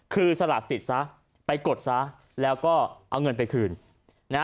คือสละสิทธิ์ซะไปกดซะแล้วก็เอาเงินไปคืนนะฮะ